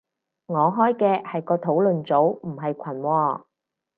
我開嘅係個討論組，唔係群喎